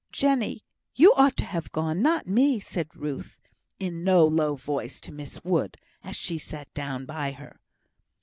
"Jenny! you ought to have gone, not me," said Ruth, in no low voice to Miss Wood, as she sat down by her.